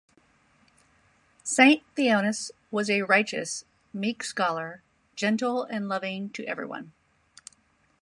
Saint Theonas was a righteous, meek scholar, gentle and loving to everyone.